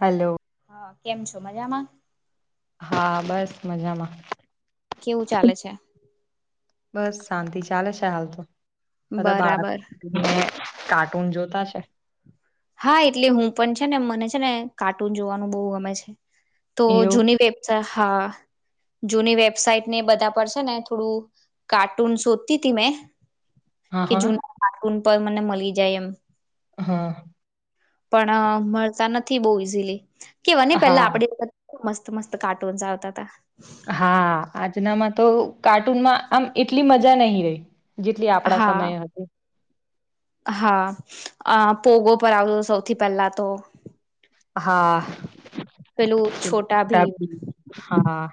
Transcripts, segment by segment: Hello હા કેમ છો મજામાં હા બસ મજામાં. કેવું ચાલે છે. બસ શાંતિ ચાલે છે હાલ તો બધા બાળક. બરાબર કાર્ટૂન જોતા છે. હા એટલે હું પણ છે ને મને છે ને કાર્ટૂન જોવાનું બહુ ગમે છે. તો એવું જુની વેબ છે હા. જૂની વેબસાાઈટ ને એ બધા પર છે ને થોડું કાર્ટૂન શોધતી હતી મેં. હા કે હા જૂના કાર્ટૂન પર મને મળી જાય એમ, હા પણ મળતા નથી બહુ ઈઝીલી કેવા પેલા હા આપડી. મસ્ત મસ્ત કાર્ટુન ચ આવતા હતા. હા આજનામાં તો કાર્ટૂનમાં આમ એટલી મજા નહી રહી. જેટલી આપડા હા સમયે હતી. હા અ પોગો પર આવજો સૌથી પહેલા તો. હા પેલું છોટા ભીમ હા.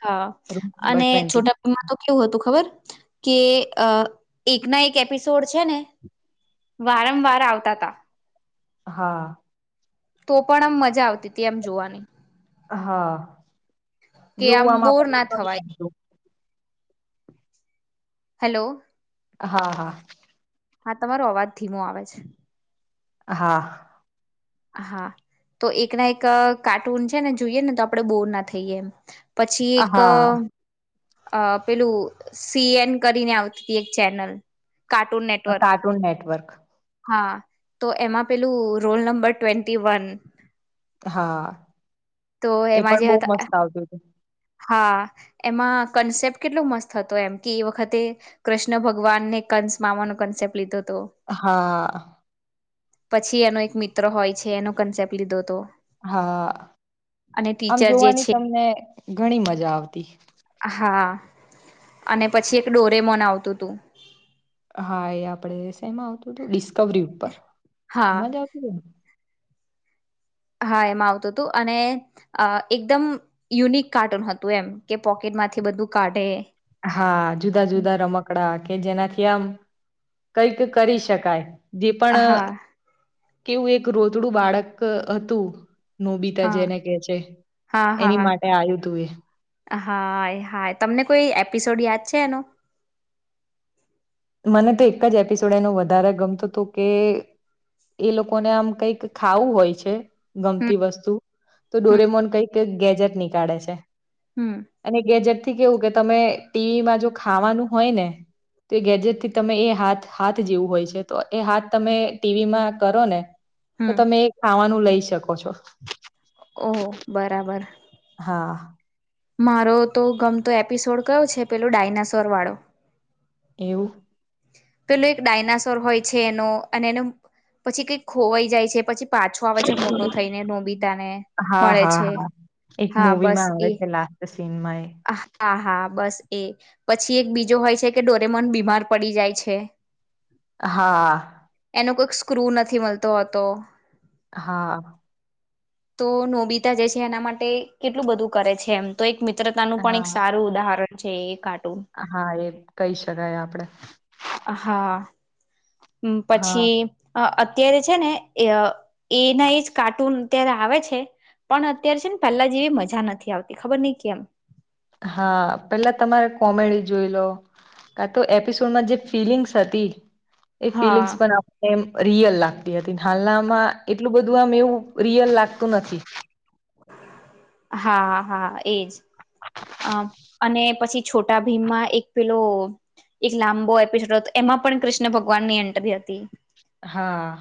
હા નંબર અને ટ્વેન્ટી છોટા પમ્મા તો કેવું હતું ખબર. કે એકના એક એપિસોડ છે ને વારંવાર આવતા તા હા તો પણ આમ મજા આવતી હતી એમ જોવાની. હા કે જોવું આમ બોર ના થવાય આપણને. હેલો. હા હા હા તમારો અવાજ ધીમો આવે છે. હા. હા તો એક ના એક કાર્ટૂન છે ને જોઈએ ને તો આપણે બોર ના થઈએ એમ. પછી એક. હા અ પેલું સીએન કરીને આવતી હતી એક channel. Cartoon network cartoon network. હા તો એમાં પેલું રોલ નંબર ટ્વેન્ટી વન. હા તો એ એમાં પણ જે બહ હતા મસ્ત આવતું હતું. હા એમાં કન્સેપ્ટ કેટલો મસ્ત હતો એમ કે એ વખતે કૃષ્ણ ભગવાનને. કન્સ મામાનો કન્સેપ્ટ લીધો. હતો હા પછી એનો એક મિત્ર હોય છે એનો કન્સેપ્ટ લીધો હતો હા અને આમ ટીચર જે જોવાની છે તમને ઘણી મજા આવતી હા અને પછી એક ડોરેમોન આવતું તું હા એ આપણે એમાં આવતું હતું ડિસ્કવરી ઉપર હા એમાં જ આવતું હતું? હા એમા આવતું હતું, અને અ એકદમ યુનિક કાર્ટૂન હતું એમ કે પોકેટ માંથી બધું કાઢે હા જુદા જુદા રમકડા કે જેનાથી આમ કઈક કરી શકાય, જે પણ અ હા કેવું એક રોતડું બાળક હતું નોબિતા હા જેને કે છે હા એની હા માટે આવ્યું તું એ હા હા તમને કોઈ એપિસોડ યાદ છે એનો એ મને તો એક જ એપિસોડ એનું વધારે ગમતું હતું કે એ લોકોને આમ કઈક ખાવું હોય છે. હમ ગમતી વસ્તુ, તો હમ ડોરેમોન કઈક ગેજેટ નીકાળે છે. હમ અને ગેજેટ થી કેવું કે તમે ટીવીમાં જો ખાવાનું હોય ને, તો એ ગેજેટ થી તમે એ હાથ હાથ જેવું હોય છે તો એ હાથ તમે ટીવીમાં કરો ને તો હમ તમે એ ખાવાનું લઈ શકો છો. ઓહ! બરાબર. હા મારો તો ગમતો એપિસોડ કયો છે પેલો ડાયનાસોર વાળો એવું. પેલો એક ડાયનાસોર હોય છે એનો અને એનું પછી કઈક ખોવાઈ જાય છે પછી પાછો આવે છે મોટો થઈને, નોબિતાને હા મળે હા છે. હા એક મુવી માં આવે છે લાસ્ટ સીનમાં એ આહ આહા હા બસ એ પછી એક બીજો હોય છે કે ડોરેમોન બીમાર પડી જાય છે હા. એનો કોઈક સ્ક્રુ નથી મળતો હતો હા. તો નોબિતા જે છે એના માટે કેટલું બધું કરે છે એમ તો એક મિત ત્રતાનું પણ હા એક સારું ઉદાહરણ છે એ કાર હા એ કહી શકાય આપણે હા હમ્મ હા પછી અ અત ત્યારે છે ને એ અ એના એ જ કાર્ટૂન અત્યારે આવે છે પણ અત્યારે છે ને પહેલા જેવી મજા નથી આવતી ખબર નહીં કેમ હા પેલા તમારે કોમેડી જોઈ લો કા તો એપિસોડમાં જે ફિલિંગ્સ હતી એ હા ફિલિંગ્સ પણ આપણે રિયલ લાગતી હતી, હાલના માં એટલું બધું આમ એવું રિયલ લાગતું નથી. હા હા એજ અમ અને પછી છોટા ભીમમાં એક પેલો એક લાંબો એપિસોડ હતો એમાં પણ કૃષ્ણ ભગવાન ની એન્ટર હતી હા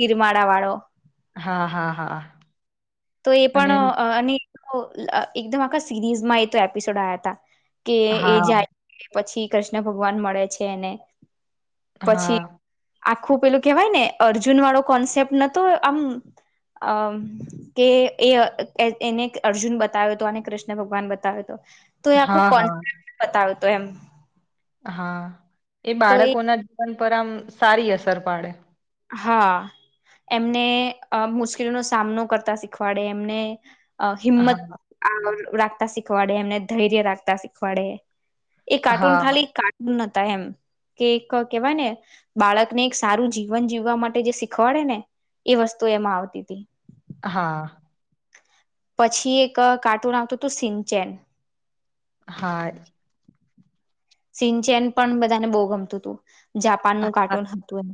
ગિરમાડા વાળો હા હા હા તો એ પણ અને અ અને અ એકદમ આખા સિરીઝમાં એ તો એપિસોડ આયા તા કે એ હા જાય પછી કૃષ્ણ ભગવાન મળે છે એને પછી હા આખું પેલું કેહેવાય ને અર્જુન વાળો કોન્સેપ્ટ નતો આમ અ કે એ એ એને અર્જુન બતાવ્યો હતો અને કૃષ્ણ ભગવાન બતાવ્યો હતો તો એ આખું હા હા કોન્ફિડ બતાવ્યું હતું એમ હા એ બાળકોના જીવન પર આમ સારી અસર પાડે હા એમને મુશ્કેલીનો સામનો કરતા શીખવાડે એમને હા હિંમત રાખતા શીખવાડે એમને ધૈર્ય રાખતા શીખવાડે એ કાર્ટૂન હા ખાલી કાર્ટૂન નતા એમ કે એક કહેવાય ને બાળકને એક સારું જીવન જીવન જીવવા માટે જે શીખવાડે ને એ વસ્તુ એમાં આવતી હતી હા પછી એક કાર્ટૂન આવતો હતો સિન ચેન હા સિનચેન પણ બધાને બહુ ગમતું હતું જાપાનનું કાર્ટૂન હતું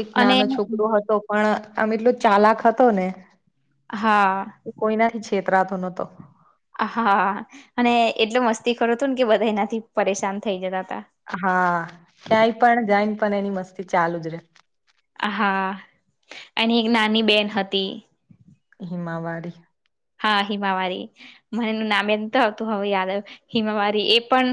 એક અને નાનો છોકરો હતો પણ આમ એટલો ચાલાક હતો ને હા ક્ષેત્રનો તો હા અને એટલો મસ્તી કરો હતું ને કે બધા એનાથી પરેશાન થઈ જતા હતા હા ક્યાંય પણ જઈને પણ એની મસ્તી ચાલુ જ રે હા એની એક નાની બેન હતી હિમાવાારી હા હિમાવારી મનેનું નામ એ તો આવતું હ યાદ આવે હિમાવારી એ પણ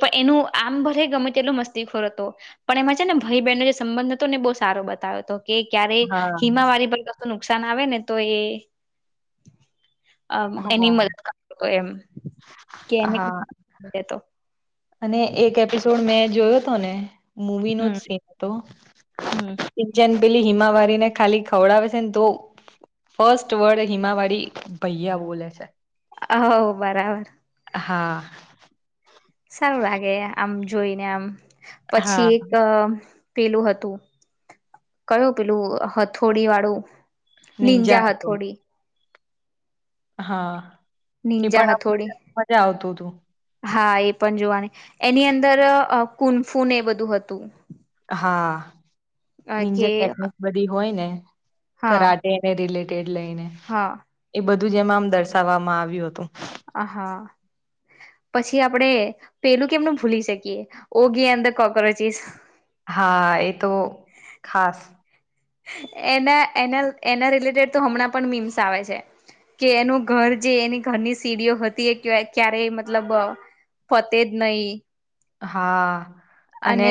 પણ એનું આમ ભરે ગમે તે એટલો મસ્તીખોર હતો પણ એમાં છે ને ભાઈ બહેનનો જે સંબંધ હતો ને બહુ સારો બને બ તો કે ક્યારે હા હિમાવાળ પર કું નુકસાન આવે ને તો એ મ હા એની મદદ કર એમ કેને હા અને એક એપિસોડ મેં જોયો હતો ને મુવી નો જ હમ સીન હતો હમ પેલી હિમાવારી ને ખાલી ખવડાવે છે ને તો ફર્સ્ટ વર્ડ હિમાવાળી ભૈયા બોલે છે અ બરાબર હા સારું લાગે આમ જોઈને આમ પછી હા એક પેલું હતું કયું પેલું હથોડી વાળું નિંજા હા થોડી હા એ નિંજા પણ હથોડી મજા આવતું હતું હા એ પણ જોવાની એની અંદર કુનફૂન એ બધું હતું હા જર કે ટેકનિક બધી હોય ને હા કરાટેને રિલે લઈને હા એ બધું જ એમાં આમ દર્શાવવામાં આવ્યું હતું હ હા પછી આપડે પેલું કેમનું ભૂલી શકીએ યોગી અંદર કોક્રોચીસ હા એ તો ખાસ એના એના એના રિલેટેડ તો હમણાં પણ મીમ્સ આવે છે કે એનું ઘર જે એની ઘરની સીડીઓ હતી એ ક્યારે મતલબ ફતેજ નહી હા અને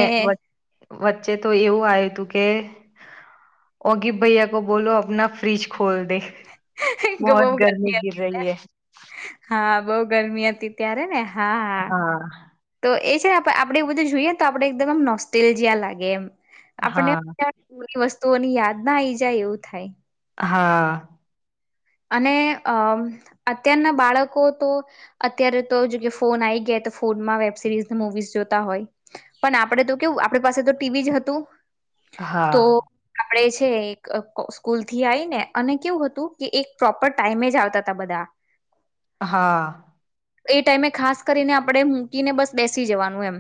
વચ્ચે તો એવું આવ્યું હતું કે ઓગીબ ભૈયા કો બોલો આપના ફ્રીજ ખ ખોલ દે બહોત બહુ ગરમી ગિર હતી રહી હૈ હા બહુ ગરમી હતી ત્યારે ને હા તો એ આપણેે એ બધું જોઈએ તો આપડે એકદમમ નોસ્ટલ જં લાગે એમ આપણે હા વસ્તુ તોની યાદ ના આ આવી જાય એવું થાય હા અને અ અત્યારના બાળકો તો અત્યારે તો ફોન આવી ગયા ફોનમાં વેબ સિરીઝ મુવીઝ જોતા હોય પણ આપડે તો કેવું આપણી પાસે તો ટીવી જ હતું હા. મળે છે સ્કૂલ થી આવીઈ ને અને કેવું હતું. કે એક પ્રોપર ટાઈમે જ આવતા તા બધા. હા. એ ટાઈમે ખાસ કરીને આપણે મૂકીને બસ બેસી જવાનું એમ.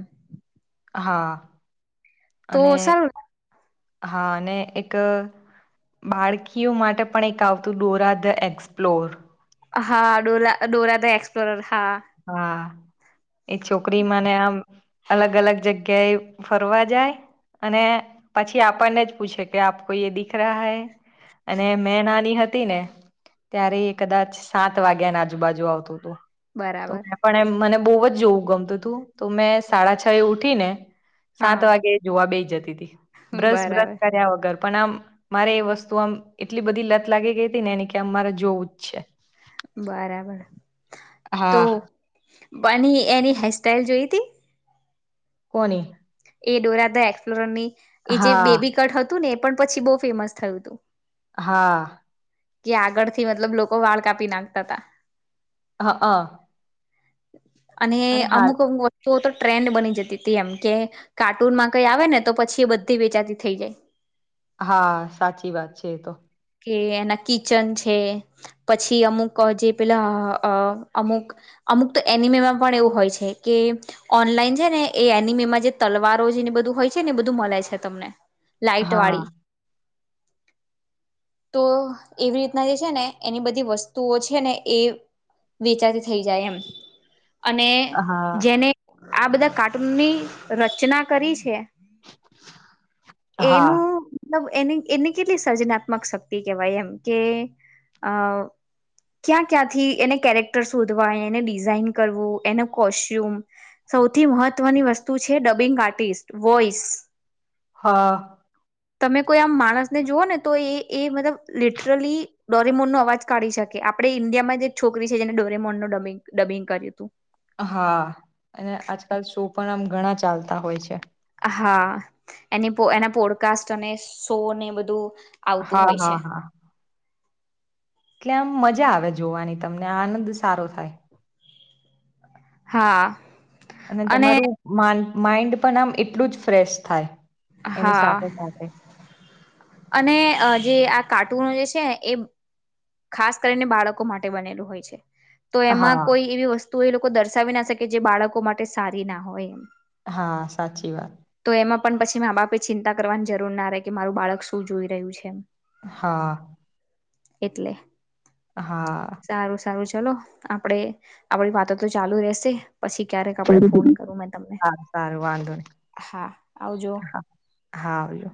હા. તો અને સરર હા અનેને એક બાળકીઓ માટે પણ એક આવતું ડોરા ધ એક્સપ્લોર હા ડોરા ડોરા તો એક્સપ્લોર હા એ છોકરી મને આમ. અલગ અલગ જગ્યા એ ફરવા જાય. અને પછી આપણને જ પૂછે કે આપ કો યે દીખ રહ હૈ. અને મે નાની હત. તી ને ત્યારે કદાચ સાત વાગ્યાની આજુબાજુ આવતું હતું. તો બરાબર મેં પણ એમ મને બહુ જ જોવું ગમતું હતું તો મેં સાડા છ એ ઉઠી ને સાત હા વાગે જોવા બેઈ જતી તી બ્રશ બ્રશ બરાબર કર્યા વગર. પણ આમ મારે એ વસ્તુ આમ એટલી બધી લત લાગી ગઈ હતી ને ને કે આમ મારે જોવું જ છે. બરાબર તો હા બની એની હેરસ્ટાઈલ જોઈ તી. કોને. એ ડોરા ધ એક્સપ્લોર ની એ જે હા બેબી કટ હતું ને એ પણ પછી બહુ ફેમસ થયું હતું હા. કે આગળથી મતલબ લોકો વાળ કાપી નાખતા હતા. હ અ. અને અમુક વતુઓ તો ટ્રેન્ડ બની જતી તી એમ કે કાર્ટૂનમાં કઈ આવે ને તો પછી એ બધી વેચાતી થઈ જાય હા સાચી વાત છે એ તો. કે એના કિચન છે પછી અમુક જે પેલા અ અમુક અમુક તો એનિમેમાં પણ એવું હોય છે કે ઓનલાઈન છે ને એ એનિમેમાં જે તલવારો છે ને બ બધું હોય છે ને બધું મળે છે તમને લાઈટ હા વાળી. તો એવી રીતના એ છે ને એની બધી વસ્તુઓ છે ને એ વેચાતી થઇ જાય એમ. અને હા જેને આ બધા કાર્ટૂનની રચના કરી છે હા એનું મતલબ એની એને કેટલી સર્જન આપ મક શક્તિ કહેવાય એમ કે અ ક્યાં ક્યાંથી એને કેરેક્ટર શોધવા એને ડિઝાઇન કરવું એનો કોસ્ટ્યુમ સૌથી મહત્વની વસ્તુ છે ડબિંગ આર્ટિસ્ટ વોઇસ હા. તમે કોઈ આમ માણસને જોઓ ને તો એ એ મતલબ લિટરલી ડોરેમોન નો અવાજ કાઢી શકે આપણે ઈન્ડિયામાં જે એક છોકરી છે જે ડોરેમોનનો ડબિંગ ડબિંગ કર્યું હતું. હા અને આજકાલ શો પણ આમ ઘણા ચાલતા હોય છે. હા એની પો એના પોડકાસ્ટ અને શો ને બધું આવતું હા હોય છે. હા હા એટલે આમ મજા આવે જોવાની તમને આનંદ સારો થાય. હા. અને તમારું માંડ માઈન્ડ પણ આમ એટલું જ ફ્રેશ થાય. એની હા સાથે સાથે અને અ જે આ કાર્ટૂનો જે છે ને એ ખાસ કરીને બાળકો માટે બનેલું હોય છે. તો એમાં હા કોઈ એવી વસ્તુ એ લોકો દર્શાવી ના શકે જે બાળકો માટે સારી ના હોય. હા સાચી વાત. તો એમાં પણ પછી મા બાપે ચિંતા કરવાની જરૂર ના રહે કે મારું બાળક શું જોઈ રહ્યું છે. હા એટલે. હા. સારું સારું ચલો આપડે આપડી વાતો તો ચાલુ રહેશે. પછી ક્યારેક આપડે ફોન સારું કરું મેં તમને સારું વાંધો નહી હા આવજો. હા હા આવજો.